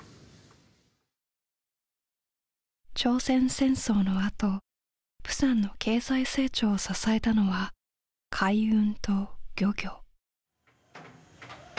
朝鮮戦争のあと釜山の経済成長を支えたのは海運と漁業。